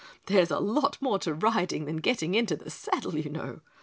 There's a lot more to riding than getting into the saddle, you know.